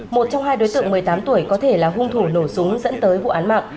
một trong hai đối tượng một mươi tám tuổi có thể là hung thủ nổ súng dẫn tới vụ án mạng